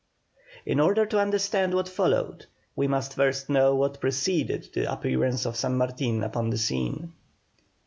In order to understand what followed we must first know what preceded the appearance of San Martin upon the scene.